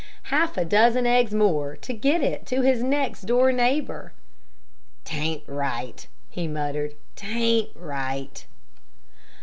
Half a dozen eggs more to get it to his next door neighbor! "'T ain't right," he muttered, "'t ain't right."